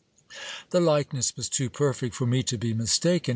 The likeness was too perfect for me to be mistaken.